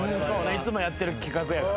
いつもやってる企画やからな。